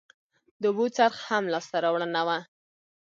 د اوبو څرخ هم لاسته راوړنه وه